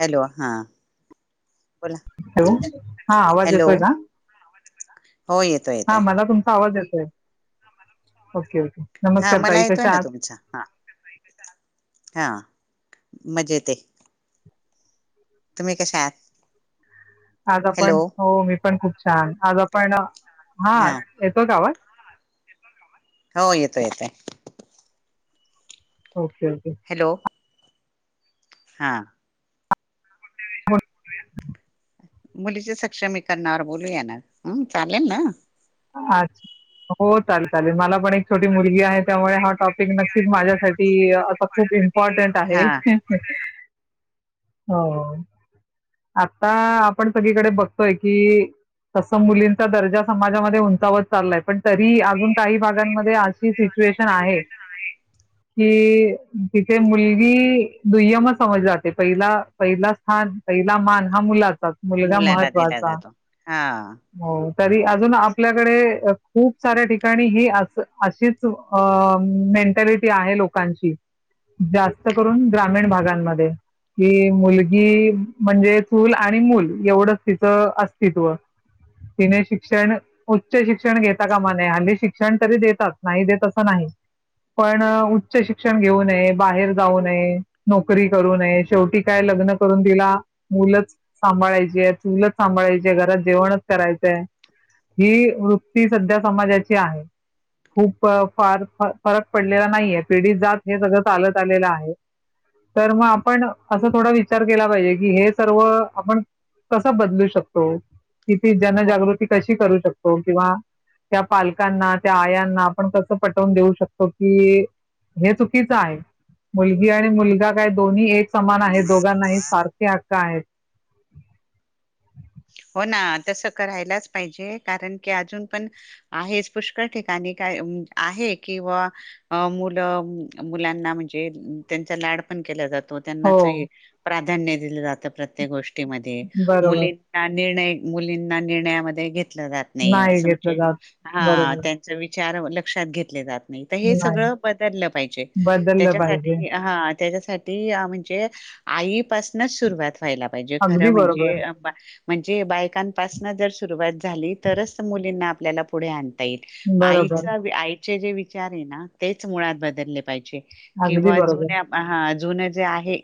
Hello, हा. बोला hello, हा आवाज हॅलो येतोय का? हो येतोय हा येतोय मला तुमचा आवाज येतोय. Okay okay. नमस्कार ताई कशा आहात? अच्छा हा. हां. मजेेतए. तुम्ही कशा आहात? आज हॅलो आपण. हो मी पण खूप छान. आज आपण, हा येतोय का आवाज? हो येतोय येतोय. Okay okay. हॅलो. हा. [unintelligible] मुलीचे सक्षमीकरणावर बोलू या ना. हं. चालेल ना? आज. हो चालेल चालेल. मला पण एक छोटी मुलगी आहे त्यामुळे हा टॉपिक नक्की- माझ्यासाठी अस खूप इम्पॉर्टंट आहे. हा हो. आत्ता आपण सगळीकडे बघतोय की, तस मुलींचा दर्जा समाज- - जा मध्ये उंचावत चाललाय. पण तरी अजून काही भागांमध्ये अशी सिच्युएशन आहे- कि तिथे मुलगी दुय्यमच समजली जाते. पहिला- पहिल स्थान, पहिला मान हा मुलाचाच. मुलगा मुलाला दिला महत्त्वाचा. जातो हा हो तरी अजून आपल्याकडे खूप साऱ्या ठिकाणी ही अशीच मेंटॅलिटी आहे. लोक- लोकांची. जास्त करून ग्रामीण भागांमध्ये. कि मुलगी म्हणजे चूल आणि मूल एवढंच तिचं अस्तित्व. तिने शिक्षण- उच्च शिक्षण घेता कामा नाही. हल्ली शिक्षण तरी देतात. नाही देत असं नाही. पण उच्च शिक्षण घेऊ नये. बाहेर जाऊ नये, नोकरी करू नये, शेवटी काय लग्न- करून तिला मुलंच सांभाळायचीय, चूलच सांभाळायचीए, घरात जेवणच करायचंय. ही वृत्ती सध्या समाजाची आहे. खूप फार फरक पडलेला नाहीये. पिढिजात हे सगळं चालत आलेलं आहे. तर मग आपण असं थोडा विचार केला पाहिजे की हे सर्व आपण कसं बदलू शकतो? किती जनजागृती कशी करू शकतो? किंवा- त्या पालकांना, त्या आयांना आपण कसं पटवून देऊ शकतो की- हे चुकीच आहे. मुलगी आणि मुलगा काय दोन्ही एक समान आहे. दोघांनाही सारखे हक्क आहेत. हो ना तसं करायलाच पाहिजे. कारण की अजून पण- आहेच. पुष्कळ ठिकाणी काय आहे किवा- अ मुलं मुलांना म्हणजे त्यांचा लाड- जातो हो त्यांनाच प्राधान्य दिलं जात प्रत्येक गोष्टीमध्ये. बरोबर मुली- निर्णय मुलींना निर्णयामध्ये घेतल जात नाही. असं घेतलं म्हणजे जात बरोबर हा- विचार लक्षात घेतले जात- नाही. तर हे नाही सगळं बदललं पाहिजे. बदललं पाहिजे त्याच्यासाठी हा- त्याच्यासाठी म्हणजे आईपासनच सुरुवात व्हायला- पाहिजे अगदी खरं बरोबर म्हणजे- म्हणजे बायकांपासन जर सुरुवात झाली तरच मुलींना आपल्याला पुढे आण- - ता येईल. आई बरोबर आईचे जे विचार आहे ना तेच मुळात बदलले पाहिजे. अगदी किंवा बरोबर जुन्या - हा जुन जे आहे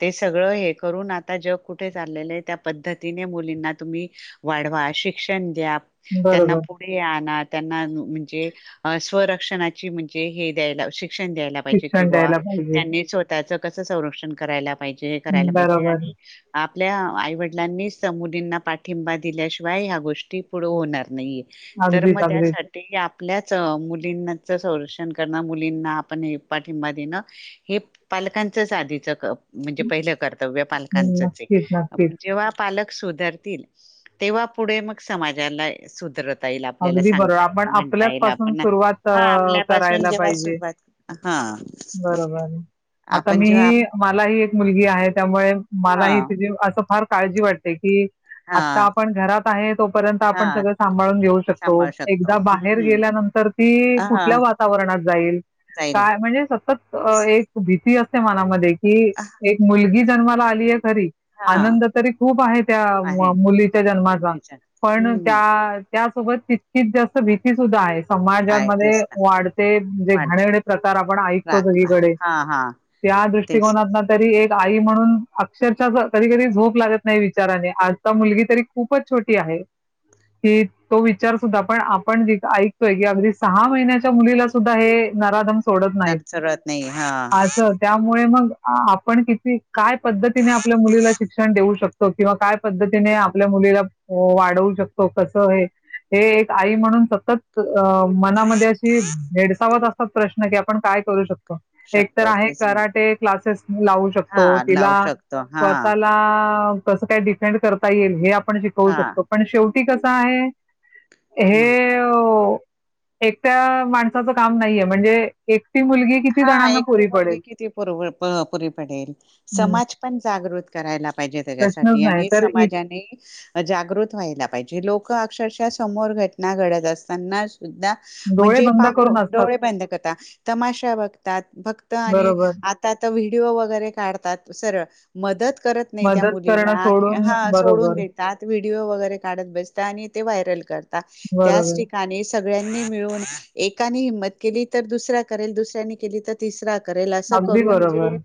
ते सगळं हे करून आता, जग कुठे चाललेलं आहे त्या पद्धतीने मुलींना तुम्ही वाढवा त्यांना, शिक्षण द्या त्यांना बरोबर पु पुढे आणा त्यांना म्हणजे स्वरक्षणाची म्हणजे हे दय दयला पाहिजे कि शिक्षण द्यायला पाहिजे त्यांनी, स्वतःच कस संरक्षण कराय पाहिजे करायला पाहिजे बरोबर आपल्या आई वडलांनी मुलींना पाठिंबा दिल्याशिवाय ह्या गोष्टी पुढे, होणार नाहीे तर अगदीच मग अगदीच त्यासाठी ते आपल्याच मुलींनाच संरक्षण करणं मुलींना, आपण हे पाठिंबा देणं. हे पालकांचच आधीचं म्हणजे पहिलं कर्तव्य हम्म, पालकांचंच नक्कीच नक्कीच जेव्हा पालक सुधरतील तेव्हा पुढे, मग समाजाला सुधरत ता येईल आपल्याला अगदी बरोबर सांगता आपण येईल, म्हणता आपल्याच येईल पासून आपण सुरुवात हा अ, आपल्यापासून करायला जेव्हा पाहिजे सुरवात हा बरोबर आता आपण जेव्हा आप मीही मलाही एक मुलगी आहे. त्यामुळे मलाही हां, तीचीे असं फार काळजी वाटते की आत्ता हां, आपण घरात आहे तोपर्यंत आपण, हां, सगळं सांभाळून घेऊ शकतो सांभाळू शकतो. एकदा हं, बाहेर हं. गेल्यानंतर ती हा कुठल्या, वातावरणात जाईल जाईल काय? म्हणजे सतत एक भीती असते, मनामध्ये की एक मुलगी जन्माला आली आहे खरी हा आनंद तरी खूप आहे त्या आहे मुलीच्या जन्माचा मुलीच्या पण हम्म त्या त्यासोबत तितकीच जास्त, भीती सुद्धा आहे. आहे समाजामध्ये तेच ना वाढते म्हणजे घाणेरडे, प्रकार आपण ऐकतो सगळीकडे. हा-हा त्या दृष्टिकोनात तरी एक आई म्हणून अक्षरशः कधी-कधी, झोप लागत नाही. विचाराने आजचा मुलगी तरी खूपच छोटी आहे. की तो वि विचार सुद्धा पण आपण ज ऐकतोय, की अगदी सहा महिन्याच्या मुलीला सुद्धा हे नराधम सोडत नाही सरत नाही हा आज त्यामुळे मग आपण किती काय पद्धतीने, आपल्या मुलीला शिक्षण देऊ शकतो. किंवा काय पद्धतीने आपल्या मुलीला वाढवू शकतो कसं हे हे एक आई म्हणून सतत अ मनामध्ये अशी भेडसावत अस प्रश्न की आपण काय करू शकतो. एक तर शकतो आहे तेच ना कराटे क्लासेस लावू शकतो, हा लावू तिला शकतो हा स्वतःला कसं काय डिफेंड करता येईल हे आपण, शिकवू हा शकतो पण शेवटी कसं आहे. म हे एकट्या माणसाचं काम नाहीये, म्हणजे एकटी मुलगी किती हा जणांना एकटी पुरी मुलगी, पडेल? किती पुर पुरी पडेल. समाज पण जागृत करायला, पाहिजे प्रश्नच त्याच्यासाठी नाही आणि तर इत- समाजाने. जागृत व्हायला पाहिजे, लोक अक्षरश समोर घटना घडत असताना सुद्धा डोळे म्हणजे बंद पाहून करून असतात डोळे बंद कर, तमाशा बघतात फक्त आणि बरोबर आता व्हिडिओ वगैरे, काढतात सरळ मदत करत नाही त्या मदत करणं मुलीला, सोडून हा सोडून बरोबर देतात व्हिडिओ, वगैरे काढत बसतात आणि ते व्हायरल करतात. त्याच बरोबर ठिकाणी. सगळ्यांनी मिळून एका ने हिंमत केली, तर दुसरा करेल दुसऱ्यानी केली तर तिसरा करेल असं, अगदी करून बरोबर जे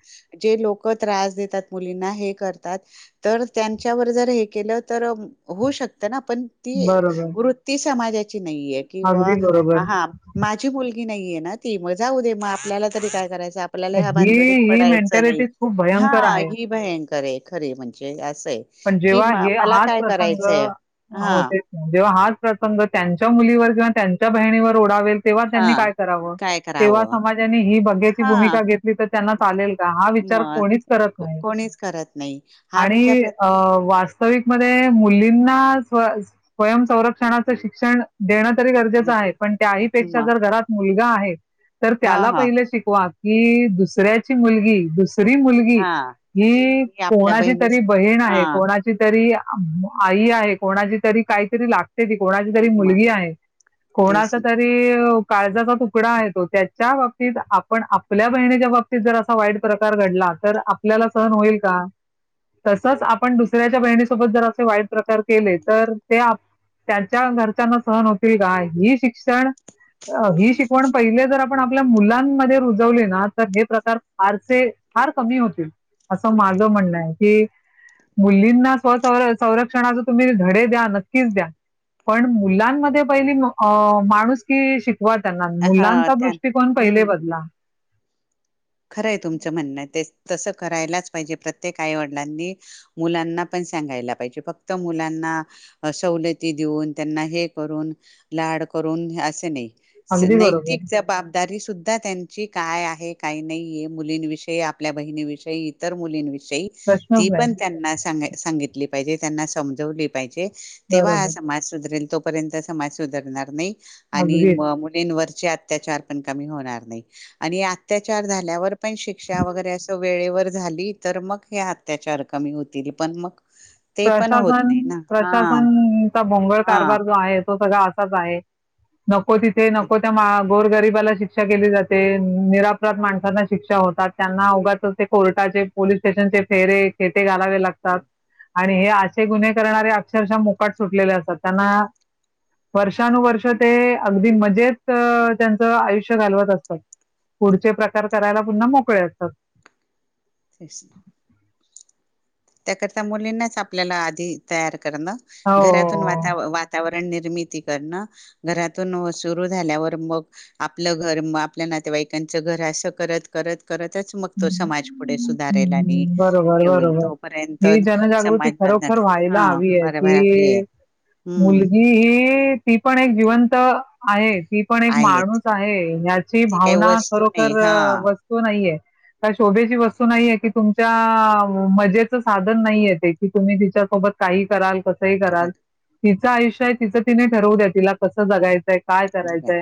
जे लोक, त्रास देतात मुलींना हे करतात. तर त्यांच्यावर जर हे केलं, तर होऊ शकत ना आपण बरोबर वृत्ती समाजाची नाही, ये किंवा अगदी हा बरोबर हा आपण माझी मुलगी नाहीये, ना ती मग जाऊ दे मग आपल्याला तरी काय करायचं आपल्याला ह्या ही भानगडीत ही पडायचं नाही मेंटॅलिटी खूप हा भयंकर आहे ही भयंकर आहे खरी म्हणजे असं आहे पण कि जेव्हा हे मला हाच काय प्रसंग करायचंय हा होते जेव्हा हाच प्रसंग त्यांच्या मुलीवर किंवा त्यांच्या बहिणीवर ओढवलेला तेव्हा हा त्यांनी काय करावं काय तेव्हा करावं समाजाने ही बघ्याची हा भूमिका घेतली तर त्यांना चालेल का हा विचार मग कोणीच करत को- नाही कोणीच करत नाही हा विचार आणि प्रत वास्तविक मध्ये मुलींना स्वयं संरक्षणाचं शिक्षण देणं तरी गरजेचं म आहे पण त्या ही पेक्षा जर घरात मुलगा आहेत तर हा त्याला हा पहिलं शिकवा की दुसऱ्याची मुलगी दुसरी मुलगी हा ही आपल्या कोणाची तरी बहिणीच बहीण आहे हा कोणा तरी आई आहे कोणाची तरी काहीतरी लागते कोणाची तरी मग मुलगी आहे कोणाच तेच त ना काळजाचा तुकडा आहे तो त्याच्या बाबतीत आपण आपल्या बहिणीच्या बाबतीत तसंच काही वाईट प्रकार घडला तर आपल्याला सहन होईल का आपण दुसऱ्याच्या बहिणीसोबत जर असे वाईट प्रकार केले तर ते त्यांच्या घरच्यांना सहन होतील का ही शिक्षण ही शिकवण पहिले जर पण आपल्या मुलांमध्ये रुजवले ना तर हे प्रकार फारसे फार कमी होतील असं माझं म्हणणं आहे की मुलींना स्व संरक्षणाचे तुम्ही धडे द्या नक्कीच द्या पण मुलांमध्ये पहिली माणूसकी शिक वा त्यांना हा मुलांचा त्या दृष्टिकोन पहिले हम्म बदला खरंय तुमचं म्हणणं ते तसं करायलाच पाहिजे प्रत्येक आईवडिलांनी मुलांना पण सांगायला पाहिजे फक्त मुलांना सवलती देऊन त्यांना हे करून लाड करून असे नाही अगदी नैतिक बरोबर. जबाबदारी सुद्धा त्यांची काय आहे काही नाहीय मुलींविषयी आपल्या बहिणीविषयी इतर मुलींविषयी ती प्रश्नच पण नाही. त्यांना सांगितली पाहिजे त्यांना समजवली पाहिजे तेव्हा हा बरोबर. समाज सुधरेल तोपर्यंत समाज सुधरणार नाही आणि अगदी. मुलींवर अतचार पण क होणार नाही आणि अत्याचार झाल्यावर पण शिक्षा वगैरे असं वेळेवर झाली तर मग हे अत्याचार कमी होतील पण मग ते पण होत प्रशासन नाही ना हा प्रशासनचा भोंगळ हा कारभार जो आहे तो सगळा असाच आहे नको तिथे तेच नको त्या गोर गरीबाला शिक्षा केली जाते निरापराध मग माणसांना शिक्षा होतात त्यांना उगाचच ते कोर्टाचे पोलीस स्टेशनचे फेरे खेटे घालावे लागते हां आणि हे असे गुन्हे करणारे अक्षरशः मुकाट सुटलेले असतात त्यांना वर्षानुवर्ष ते अगदी मजेत त्यांचं आयुष्य घालवत असतात पुढचे प्रकार करायला पुन्हा मोकळे असतात क्रैष्ण त्याकरता मुलींनाच आपल्याला आधी तयार करणं घरातून हो वातावरण निर्मिती करणं घरातून सुरू झाल्यावर मग आपलं घर म आपल्या नातेवाईकांचं घर असं करत करत करतच मग तो समाज पुुढे हं, सुधारेल आणि बरोबर, होईल बरोबर. तो ही जनजागृती खरोखर व्हायला हा हवी आहे बरोबर आहे की हम्म मुलगी ही ती पण एक जिवंत आहे ती पण एक आहे माणूस आहे या्याची ते काही भावना वस्तू खरोखर नाही हा वस्तू नाहीये काय शोभेची वस्तू नाही आहेे की तुमच्या मजेचं साधन नाहीये ते की तुम्ही तिच्यासोबत काही कराल कस कसंही कराल परत तिचं आयुष्य आहे तिचं तिने ठरवू द्या, तिला कसं जगायचं आहे, काय करायचं जगाय आहे.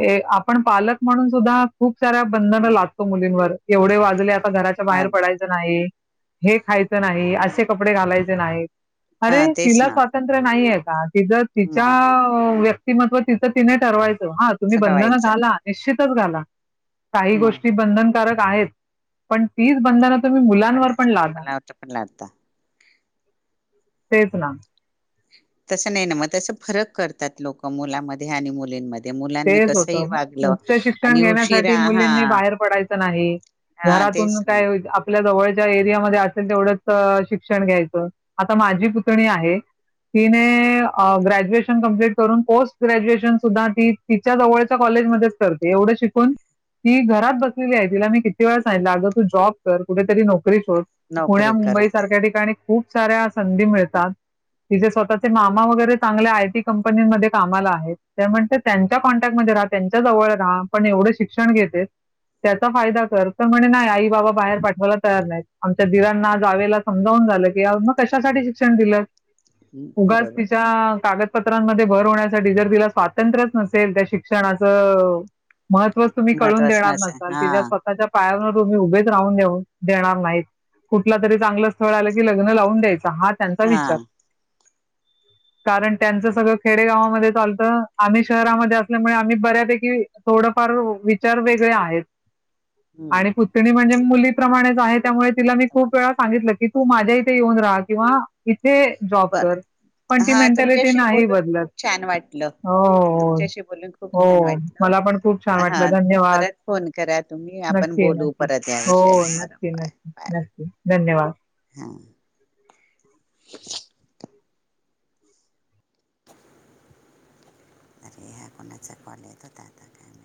हे आपण पालक म्हणून सुद्धा खूप साऱ्या बंधन मग लादतो मुलींवर एवढे वाजले आता घराच्या बाहेर वाढला पडायच नाही हे खायचं नाही, असे कपडे घालायचे नाही, अरे हा तेच तिला ना स्वा तंत्र नाहीये का? तिज तिच्या मग व्यक्तिमत्व तिचं तिने ठरवायचं हा तुम्ही बंधन सगवायचा घाला निश्चितच घाला काही मग गोष्टी बंधनकारक आहेत. पण तीच बंधन [unintelligible] मला आता मला आता तेच ना. तसं नाही ना म तसं फरक करतात लोक मुलामध्ये आणि मुलींम तेच होतं उच्च शिक्षण आणि उशिरा घेण्यासाठी हा मुलींनी बाहेर पडायचं नाही, हा तेच घरातून ना काय आप आपल्या जवळच्या एरियामध्ये असेल तेवढंच शिक्षण घ्यायचं, आता माझी पुतणी आहे, तिने अ ग्रॅज्युएशन कंप्लीट करून, पोस्ट ग्रॅज्युएशन सुद्धा ती तिच्या जवळच्या कॉलेजमध्येच करते एवढं शिकून ती घरात बसलेली आहे तिला मी किती वेळा सांगितलं आगं तू जॉब कर कुठेतरी नोकरी शोध पुण्या नोकरी मुंबई करत आहे सारख्या ठिकाणी खूप साऱ्या संधी मिळतात. तिचेे स्वतःचे मामा वगैरे चांगल्या आय. टी. कंपनीमध्ये कामाला आहेत. ते म्हणतात त्यांच्या कॉन्टॅक्टमध्ये राहा त्यांच्या जवळ राहा पण एवढ शिक्षण घेतेस त्याचा फायदा कर तं म्हणे नाही आई बाबा बाहेर पाठवायला तयार नाहीत आमच्या दिरांना जावेला समजावून झालं की आओ मग कशासाठी शिक्षण दिलं? हम्म, उगाच बरोबर आहे तिच्या कागदपत्रांमध्ये भर होण्यासाठी जर तिला स्वातंत्रच नसेल त्या शिक्षणाच महत्वचं तुम्ही कळून महत्वाच देणार नस नसाल हा तिच्या स्वः ताच्या पायावर तुम्ही उभेच राहून देऊन देणार नाही कुठला तरी चांगलं स्थळ आलं की लग्न लावून द्यायचं हा त्याचा विचार कारण त्यांच सगळं खेडे गावामध्ये चालतं आम्ही शहरामध्ये असल्यामुळे आम्ही बऱ्यापैकी थोडं फार विचार वेगळे आहेत. आणि हम्म पुतणी म्हणजे मुलीप्रमाणेच आहे, त्यामुळे तिला मी खूप वेळा सांगितलं की तू माझ्या इथे येऊन राहा किंवा इथे जॉब बर कर पण ती हा मेंटॅलिटी तुमच्याशी नाही बोलून बदलत खूप छान वाटलं हो. हो तुमच्याशी बोलून खूप छान हो वाटलं मला पण खूप छान हा वाटलं धन्यवाद परत फोन करा तुम्ही आपण नक्की न बोलू क्की परत या हो विषयावर. बरं नक्की बाय नक्की बाय नक्की धन्यवाद. हां. [inaudible] [inaudible] आताचे कोणाच कोण येत का आता [unintelligible]